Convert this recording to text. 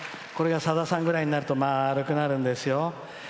これが、さださんぐらいになると丸くなるんですよ。